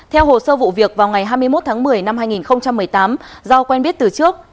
theo hồ sơ vụ việc vào ngày hai mươi một tháng một mươi năm hai nghìn một mươi tám do quen biết từ trước